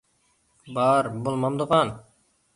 بار، بولمامدىغان.